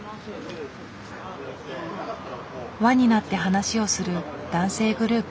輪になって話をする男性グループ。